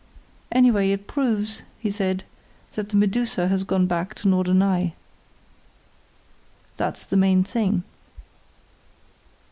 "Anyway, it proves," he said, "that the Medusa has gone back to Norderney. That's the main thing."